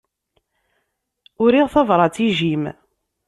Uriɣ tabrat i Jim.